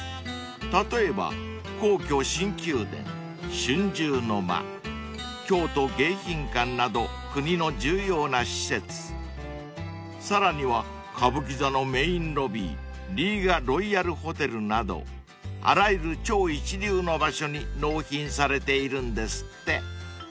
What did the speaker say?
［例えば皇居新宮殿春秋の間京都迎賓館など国の重要な施設さらには歌舞伎座のメインロビーリーガロイヤルホテルなどあらゆる超一流の場所に納品されているんですって］